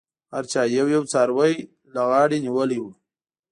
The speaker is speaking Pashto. هر چا یو یو څاری له غاړې نیولی و.